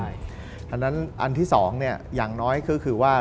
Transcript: เพราะฉะนั้นอันที่๒อย่างน้อยก็คือว่า